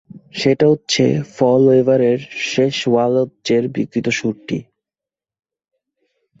সেটা হচ্ছে ফল ওয়েবারের শেষ ওয়ালৎজের বিকৃত সুরটি।